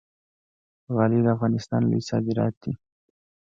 غالۍ د افغانستان لوی صادرات دي